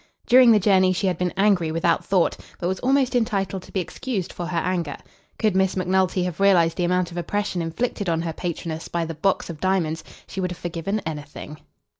During the journey she had been angry without thought, but was almost entitled to be excused for her anger. Could Miss Macnulty have realised the amount of oppression inflicted on her patroness by the box of diamonds she would have forgiven anything.